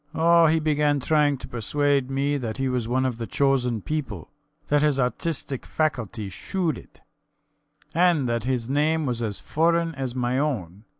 Oh, he began trying to persuade me that he was one of the chosen people that his artistic faculty shewed it, and that his name was as foreign as my own.